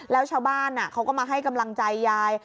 แล้วชาวบ้านเขาก็มาให้กำลังใจยาย